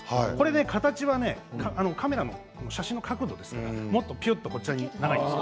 形はカメラの写真の角度ですからもうちょっと右側に長いんです。